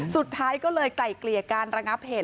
สุดท้ายก็เลยไกล่เกลี่ยการระงับเหตุ